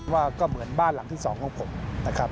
ว่าก็เหมือนบ้านหลังที่๒ของผมนะครับ